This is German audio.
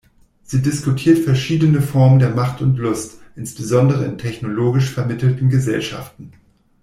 Sie diskutiert verschiedene Formen der Macht und Lust, insbesondere in technologisch vermittelten Gesellschaften.